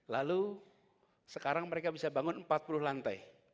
lalu sekarang mereka bisa bangun empat puluh lantai